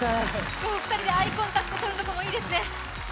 お二人でアイコンタクト取るところもいいですね。